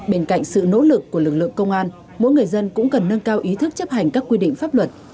bên cạnh sự nỗ lực của lực lượng công an mỗi người dân cũng cần nâng cao ý thức chấp hành các quy định pháp luật